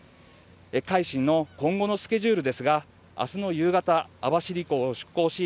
「海進」の今後のスケジュールですが、明日の夕方、網走港を出港し、